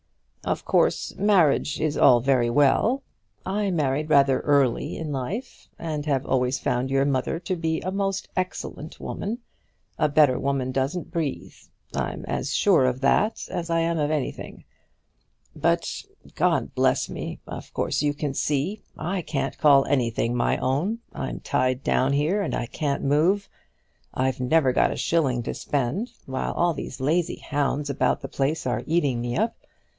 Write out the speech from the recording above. "Of course marriage is all very well. I married rather early in life, and have always found your mother to be a most excellent woman. A better woman doesn't breathe. I'm as sure of that as I am of anything. But God bless me, of course you can see. I can't call anything my own. I'm tied down here and I can't move. I've never got a shilling to spend, while all these lazy hounds about the place are eating me up.